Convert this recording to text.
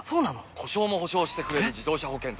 故障も補償してくれる自動車保険といえば？